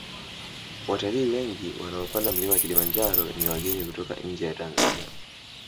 watalii wengi wanaopanda mlima kilimanjaro ni wageni kutoka nje ya tanzania